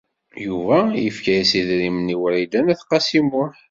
Yuba yefka-as idrimen-nni i Wrida n At Qasi Muḥ.